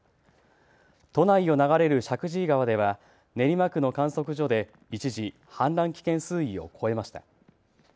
都内を流れる石神井川では練馬区の観測所で一時、氾濫危険水位を超えました。